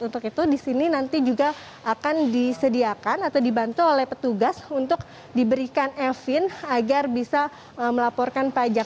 untuk itu di sini nanti juga akan disediakan atau dibantu oleh petugas untuk diberikan efin agar bisa melaporkan pajak